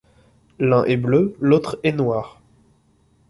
L'un est bleu, l'autre est noir.